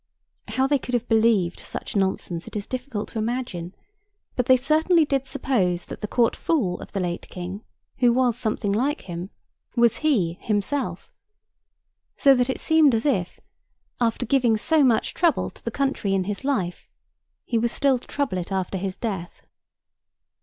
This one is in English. How they could have believed such nonsense it is difficult to imagine; but they certainly did suppose that the Court fool of the late King, who was something like him, was he, himself; so that it seemed as if, after giving so much trouble to the country in his life, he was still to trouble it after his death.